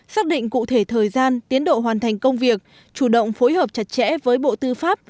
xác định cụ thể thời gian tiến độ hoàn thành công việc chủ động phối hợp chặt chẽ với bộ tư pháp